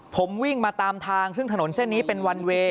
ผมวิ่งมาตามทางซึ่งถนนเส้นนี้เป็นวันเวย์